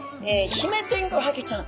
ヒメテングハギちゃん。